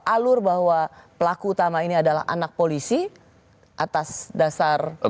alur bahwa pelaku utama ini adalah anak polisi atas dasar